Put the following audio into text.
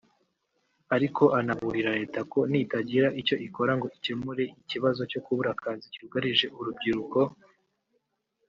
ariko anaburira leta ko nitagira icyo ikora ngo ikemure ikibazo cyo kubura akazi cyugarije urubyiruko